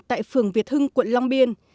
tại phường việt hưng quận long biên